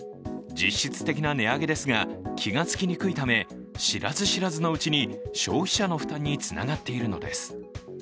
実質的な値上げですが、気が付きにくいため、知らず知らずのうちに、消費者の負担につながっているのです。